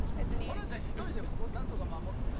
ホランちゃん１人でここなんとか守って。